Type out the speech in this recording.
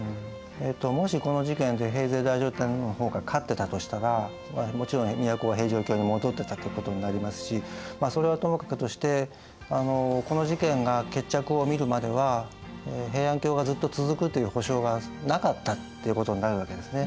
もしこの事件で平城太上天皇の方が勝ってたとしたらもちろん都は平城京に戻ってたってことになりますしそれはともかくとしてこの事件が決着を見るまでは平安京がずっと続くという保証がなかったっていうことになるわけですね。